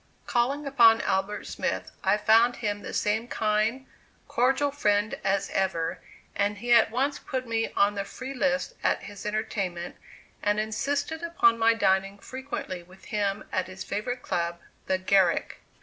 Calling upon Albert Smith, I found him the same kind, cordial friend as ever, and he at once put me on the free list at his entertainment, and insisted upon my dining frequently with him at his favorite club, the Garrick.